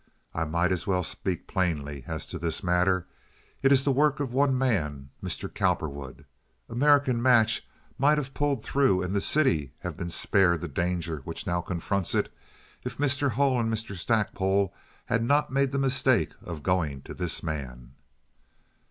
I might as well speak plainly as to this matter. It is the work of one man—Mr. Cowperwood. American Match might have pulled through and the city been have spared the danger which now confronts it if Mr. Hull and Mr. Stackpole had not made the mistake of going to this man."